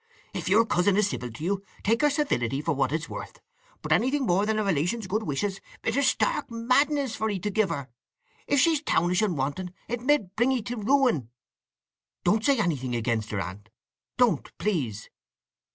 If your cousin is civil to you, take her civility for what it is worth. But anything more than a relation's good wishes it is stark madness for 'ee to give her. If she's townish and wanton it med bring 'ee to ruin." "Don't say anything against her, Aunt! Don't, please!"